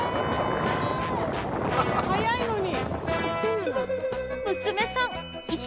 速いのに。